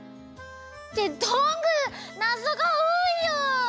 ってどんぐーなぞがおおいよ！